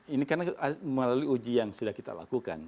ini karena melalui uji yang sudah kita lakukan